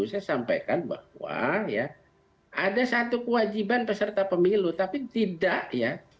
saya sampaikan bahwa ya ada satu kewajiban peserta pemilu tapi tidak ya